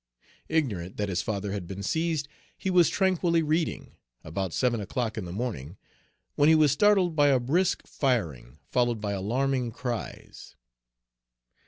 Ignorant that his father had been seized, he was tranquilly reading, about seven o'clock in the morning, when he was startled by a brisk firing, followed by alarming cries.